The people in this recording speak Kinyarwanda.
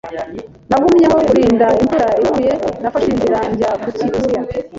Nagumye aho kurinda imvura iguye nafashe inzira njya kukiriziya